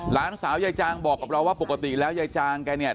หลานสาวยายจางบอกกับเราว่าปกติแล้วยายจางแกเนี่ย